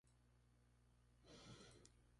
Su estado era muy grave.